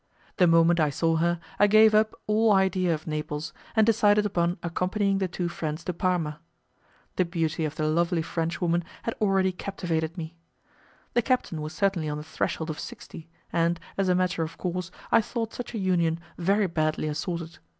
The moment I saw her, I gave up all idea of Naples, and decided upon accompanying the two friends to Parma. The beauty of the lovely Frenchwoman had already captivated me. The captain was certainly on the threshold of sixty, and, as a matter of course, I thought such a union very badly assorted.